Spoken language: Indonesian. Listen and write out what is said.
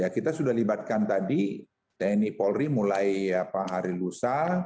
kita sudah libatkan tadi tni polri mulai hari lusa